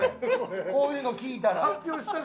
こういうの聴いたら。